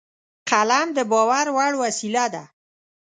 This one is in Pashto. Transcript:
قلم د باور وړ وسیله ده